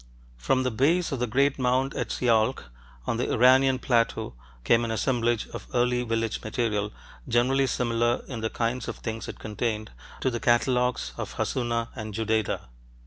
From the base of the great mound at Sialk on the Iranian plateau came an assemblage of early village material, generally similar, in the kinds of things it contained, to the catalogues of Hassuna and Judaidah.